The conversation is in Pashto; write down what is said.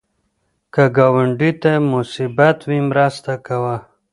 که ګاونډي ته مصیبت وي، مرسته کوه